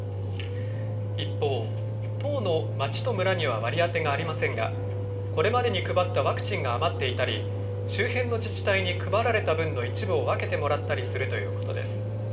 一方、１０の町と村には割り当てがありませんが、これまでに配ったワクチンが余っていたり、周辺の自治体に配られた分の一部を分けてもらったりするということです。